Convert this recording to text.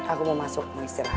aku mau masuk mau istirahat